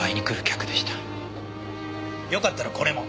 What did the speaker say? よかったらこれも。